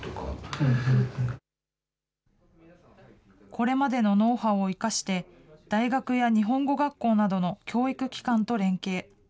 これまでのノウハウを生かして、大学や日本語学校などの教育機関と連携。